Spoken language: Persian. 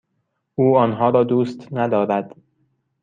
او آنها را دوست ندارد.